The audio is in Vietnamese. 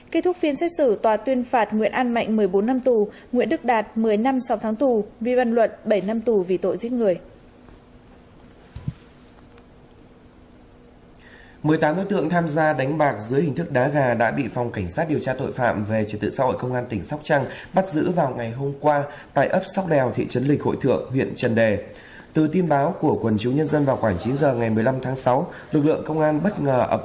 kết thúc phiên xét xử tòa tuyên phạt nguyễn an mạnh một mươi bốn năm tù nguyễn đức đạt một mươi năm sọc tháng tù vi văn luận bảy năm tù vì tội giết người